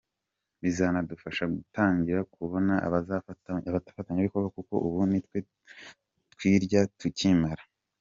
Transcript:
Bizanadufasha gutangira kubona abafatanyabikorwa kuko ubu nitwe twirya tukimara.